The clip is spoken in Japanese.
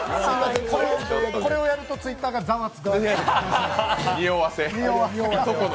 これをやるとＴｗｉｔｔｅｒがざわつきます。